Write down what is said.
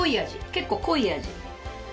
結構濃い味。